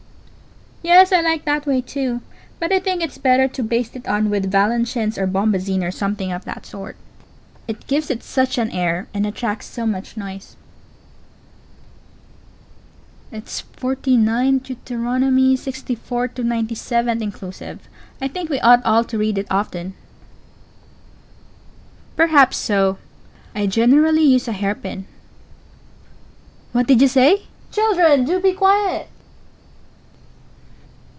Yes, I like that way, too; but I think it's better to baste it on with Valenciennes or bombazine, or something of that sort. It gives it such an air and attracts so much noise. Pause. It's forty ninth Deuteronomy, sixty forth to ninety seventh inclusive. I think we ought all to read it often. Pause. Perhaps so; I generally use a hair pin. Pause. What did you say? (Aside.) Children, do be quiet!